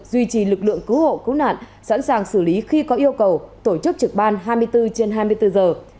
duy trì lực lượng cứu hộ cứu nạn sẵn sàng xử lý khi có yêu cầu tổ chức trực ban hai mươi bốn trên hai mươi bốn giờ